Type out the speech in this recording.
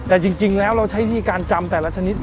แต่จริงแล้วเราใช้วิธีการจำแต่ละชนิด